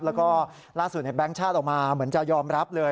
แล้วก็ล่าสุดแบงค์ชาติออกมาเหมือนจะยอมรับเลย